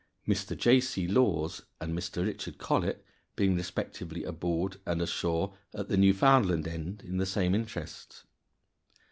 Mr. J. C. Laws and Mr. Richard Collett being respectively aboard and ashore at the Newfoundland end in the same interests.